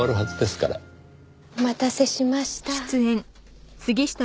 お待たせしました。